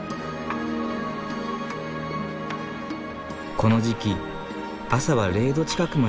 この時期朝は零度近くまで冷え込む。